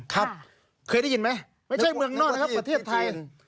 ครับเคยได้ยินไหมไม่ใช่เมืองนอกนะครับประเทศไทย